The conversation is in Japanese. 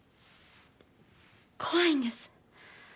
怖いんです。